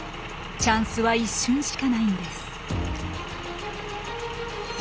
チャンスは一瞬しかないんです。